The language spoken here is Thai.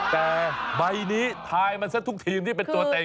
แต่ใบนี้ทายมันซะทุกทีมที่เป็นตัวเต็ง